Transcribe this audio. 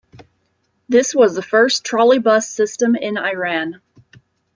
This was the first trolleybus system in Iran.